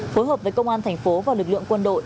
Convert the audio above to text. phối hợp với công an thành phố và lực lượng quân đội